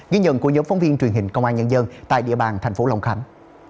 ghi nhận của giống phóng viên truyền hình công an nhân dân tại địa bàn tp long khánh